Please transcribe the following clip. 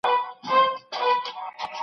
ولي د ناروغانو محرمیت مهم دی؟